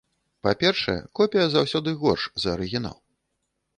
Па-першае, копія заўсёды горш за арыгінал.